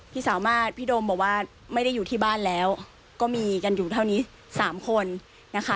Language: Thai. แต่ว่าไม่ได้อยู่ที่บ้านแล้วก็มีกันอยู่เท่านี้๓คนนะคะ